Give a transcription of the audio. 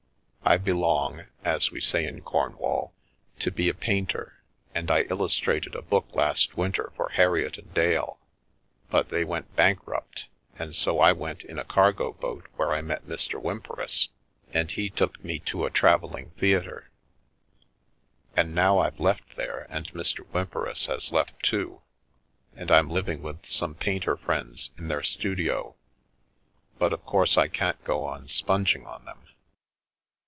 " I belong (as we say in Cornwall) to be a painter, and I illustrated a book last winter for Herriot & Dale, but they went bank rupt, and so I went in a cargo boat where I met Mr. Whymperis, and he took me to a travelling theatre. And now I've left there, and Mr. Whymperis has left too, and I'm living with some painter friends in their studio, but of course I can't go on sponging on them."